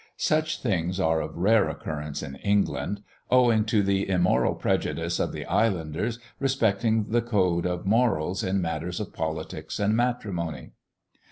Such things are of rare occurrence in England, owing to the immoral prejudice of the islanders respecting the code of morals in matters of politics and matrimony.